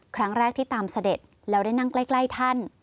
ครั้งแรกที่ตามเสด็จแล้วได้นั่งใกล้ท่าน